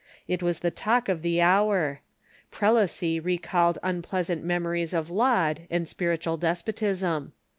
It was the talk of the hour. Prelacy recalled un pleasant memories of Laud and spiritual despotism.